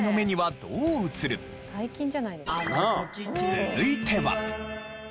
続いては。